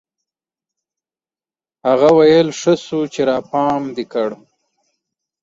هغه ويل ښه سو چې راپام دي کړ.